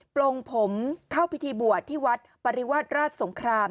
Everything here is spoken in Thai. ปลงผมเข้าพิธีบวชที่วัดปริวัติราชสงคราม